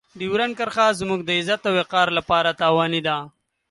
ډیورنډ کرښه زموږ د عزت او وقار لپاره تاواني ده.